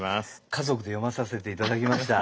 家族で読まさせて頂きました。